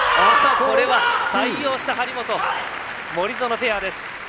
これは対応した張本、森薗ペアです。